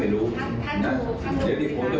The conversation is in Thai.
ไม่ได้สนใจมันแค่นี้เอง